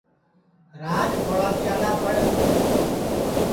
راج تھوڑاسی اڈؔا پڑ